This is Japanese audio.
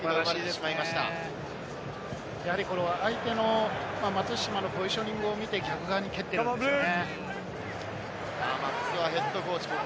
相手の松島のポジショニングを見て、逆側に蹴っているんですね。